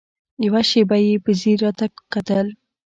يوه شېبه يې په ځير راته وکتل.